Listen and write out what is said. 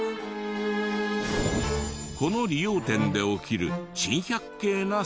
この理容店で起きる珍百景なサービスとは？